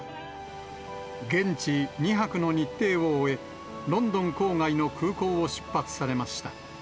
現地２泊の日程を終え、ロンドン郊外の空港を出発されました。